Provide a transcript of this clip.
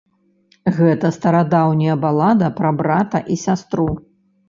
Гэта старадаўняя балада пра брата і сястру.